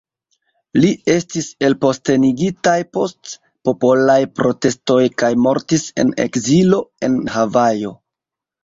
Li estis elpostenigita post popolaj protestoj kaj mortis en ekzilo en Havajo.